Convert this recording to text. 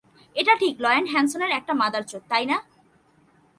এটা ঠিক, লয়েন্ড হ্যানসেন একটা মাদারচোদ, তাই না?